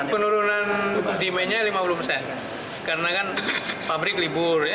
penurunan demandnya lima puluh persen karena kan pabrik libur